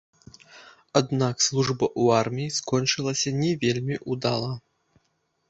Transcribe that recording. Аднак служба ў арміі скончылася не вельмі ўдала.